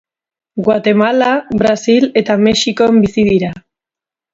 Guatemala, Brasil eta Mexikon bizi dira.